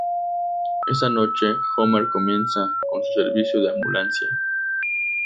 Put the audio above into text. Esa noche, Homer comienza con su servicio de ambulancia.